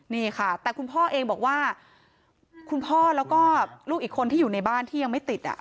นี่ค่ะแต่คุณพ่อเองบอกว่าคุณพ่อแล้วก็ลูกอีกคนที่อยู่ในบ้านที่ยังไม่ติด